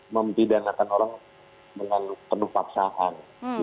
mempidanakan orang dengan penuh paksaan